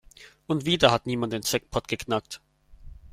Und wieder hat niemand den Jackpot geknackt.